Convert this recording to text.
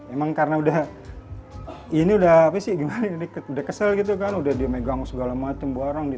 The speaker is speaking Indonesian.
emang karena udah kesel gitu kan udah di megang segala macam bareng